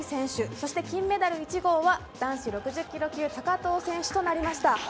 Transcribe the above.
そして金メダル１号は男子６０ｋｇ級高藤選手となりました。